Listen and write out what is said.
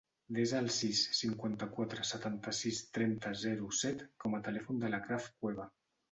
Desa el sis, cinquanta-quatre, setanta-sis, trenta, zero, set com a telèfon de l'Achraf Cueva.